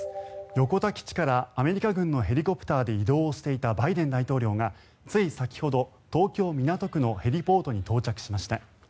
横田基地からアメリカ軍のヘリコプターで移動をしていたバイデン大統領がつい先ほど東京・港区のヘリポートに到着しました。